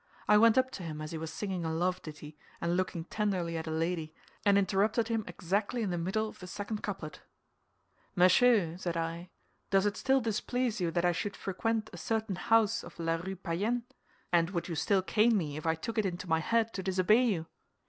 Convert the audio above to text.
I went up to him as he was singing a love ditty and looking tenderly at a lady, and interrupted him exactly in the middle of the second couplet. 'Monsieur,' said I, 'does it still displease you that I should frequent a certain house of La Rue Payenne? And would you still cane me if I took it into my head to disobey you?